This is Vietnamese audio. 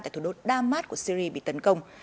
tại thủ đô damat của syria bị tấn công